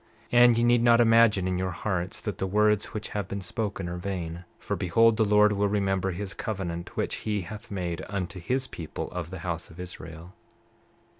29:3 And ye need not imagine in your hearts that the words which have been spoken are vain, for behold, the Lord will remember his covenant which he hath made unto his people of the house of Israel.